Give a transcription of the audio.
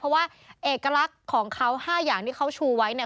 เพราะว่าเอกลักษณ์ของเขา๕อย่างที่เขาชูไว้เนี่ย